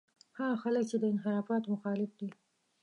هغه خلک چې د انحرافاتو مخالف دي.